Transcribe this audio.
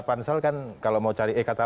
pansel kan kalau mau cari e kata